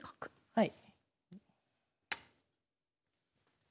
はい。